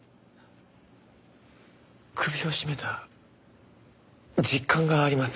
首を絞めた実感があります。